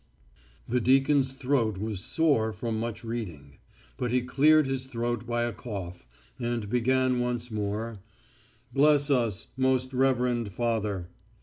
The deacon's throat was sore from much reading. But he cleared his throat by a cough, and began once more: "Bless us, most reverend Father."